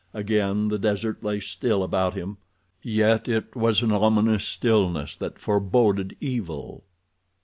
Again the desert lay still about him, yet it was an ominous stillness that foreboded evil.